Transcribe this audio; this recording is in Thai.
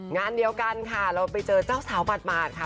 งานเดียวกันค่ะเราไปเจอเจ้าสาวหมาดค่ะ